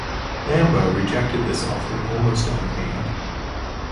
Lambeau rejected this offer almost out of hand.